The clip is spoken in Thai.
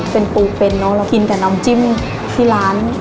เป็นปูเป็นเนอะเรากินแต่น้ำจิ้มที่ร้าน